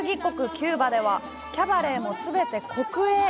キューバでは、キャバレーも全て国営。